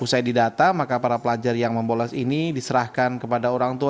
usai didata maka para pelajar yang membolos ini diserahkan kepada orang tua